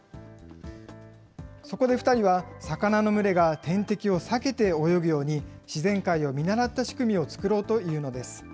そこで２人は、魚の群れが天敵を避けて泳ぐように、自然界を見習った仕組みを作ろうというのです。